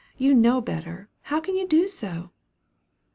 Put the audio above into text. you know better; how can you do so?"